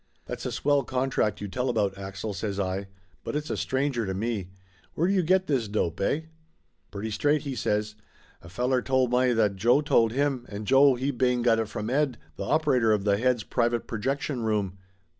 "That's a swell contract you tell about, Axel," says I. "But it's a stranger to me. Where do you get this dope, eh?" "Pretty straight," he says. "A fellar told may that Joe told him, and Joe, he bane got it from Ed, tha op erator of tha head's private projection room.